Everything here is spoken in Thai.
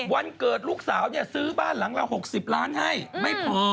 วันเกิดลูกสาวซื้อบ้านหลังละ๖๐ล้านให้ไม่พอ